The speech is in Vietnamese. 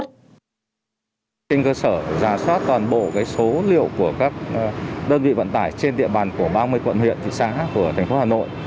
trên cơ sở giả soát toàn bộ số liệu của các đơn vị vận tải trên địa bàn của ba mươi quận huyện thị xã của thành phố hà nội